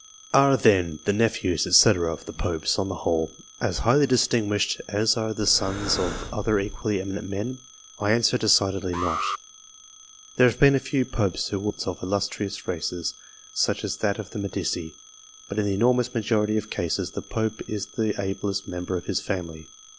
Are, then, the nephews, &c., of the Popes, on the wholu, as highly distinguished as are the sons of other equally eminent men? I answer, decidedly not. There have been a few Popes who were offshoots of illustrious races, such as that of the Medici, but in the enormous majority of cases the Pope is the ablest member of his family.